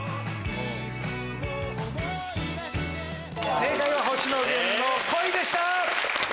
正解は星野源の『恋』でした！